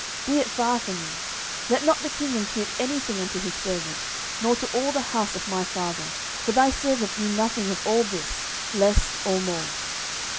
be it far from me: let not the king impute any thing unto his servant, nor to all the house of my father: for thy servant knew nothing of all this, less or more.